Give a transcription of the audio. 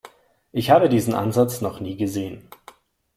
Ich habe diesen Ansatz noch nie gesehen.